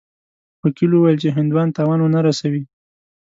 وکیل وویل چې هندوان تاوان ونه رسوي.